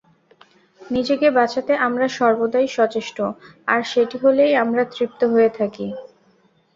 নিজেকে বাঁচাতে আমরা সর্বদা সচেষ্ট, আর সেটি হলেই আমরা তৃপ্ত হয়ে থাকি।